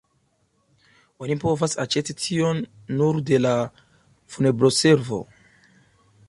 Oni povas aĉeti tion nur de la funebroservo.